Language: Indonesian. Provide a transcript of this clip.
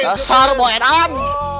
dasar mau enakan